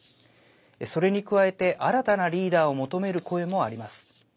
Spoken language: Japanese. それに加えて新たなリーダーを求める声もあります。